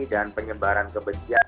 dan penyebaran kebesian